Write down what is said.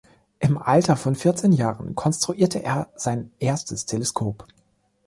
Im Alter von vierzehn Jahren konstruierte er sein erstes Teleskop.